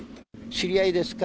知り合いですか？